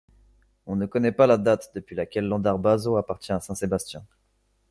On ne connaît pas la date depuis laquelle Landarbaso appartient à Saint-Sébastien.